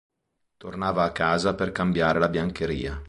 Tornava a casa per cambiare la biancheria.